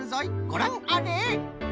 ごらんあれ！